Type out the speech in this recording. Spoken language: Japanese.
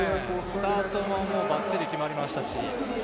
スタートもばっちり決まりましたし。